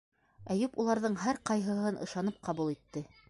Әйүп уларҙың һәр ҡайһыһын ышанып ҡабул итте.